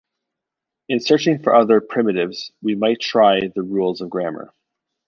In searching for other primitives, we might try the rules of grammar.